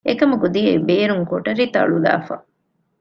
އެކަމަކު ދިޔައީ ބޭރުން ކޮޓަރި ތަޅުލައިފަ